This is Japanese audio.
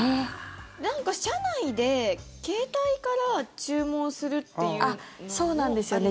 なんか車内で携帯から注文するっていうのもありますよね。